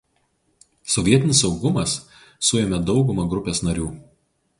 Sovietinis saugumas suėmė daugumą grupės narių.